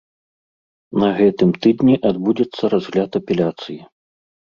На гэтым тыдні адбудзецца разгляд апеляцыі.